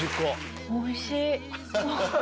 おいしい！